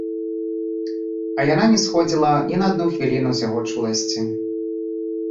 А яна не сходзіла ні на адну хвіліну з яго чуласці.